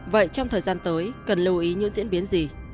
vậy trong thời gian tới cần lưu ý những diễn biến gì